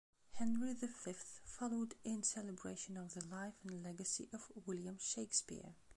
"Henry the Fifth" followed in celebration of the life and legacy of William Shakespeare.